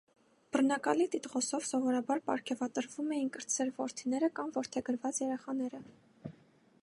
Բռնակալի տիտղոսով սովորաբար պարգևատրվում էին կրտսեր որդինեը կամ որդեգրված երեխաները։